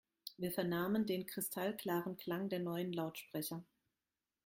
Wir vernahmen den kristallklaren Klang der neuen Lautsprecher.